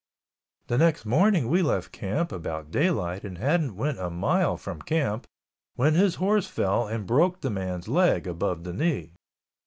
The next morning we left camp about daylight and hadn't went a mile from camp when his horse fell and broke the man's leg above the knee.